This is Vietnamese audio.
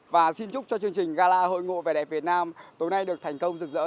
và xin chúc cho chương trình gala hội ngộ vẻ đẹp việt nam tối nay được thành công rực rỡ